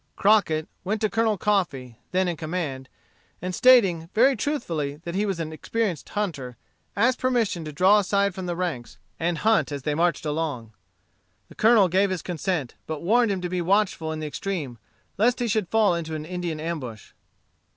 Crockett went to Colonel Coffee, then in command, and stating, very truthfully, that he was an experienced hunter, asked permission to draw aside from the ranks, and hunt as they marched along. The Colonel gave his consent, but warned him to be watchful in the extreme, lest he should fall into an Indian ambush.